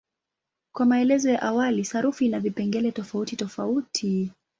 Kama maelezo ya awali, sarufi ina vipengele tofautitofauti.